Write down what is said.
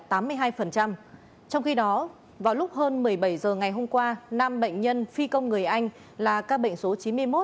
trong khi đó vào lúc hơn một mươi bảy h ngày hôm qua năm bệnh nhân phi công người anh là ca bệnh số chín mươi một